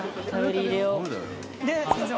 すいません。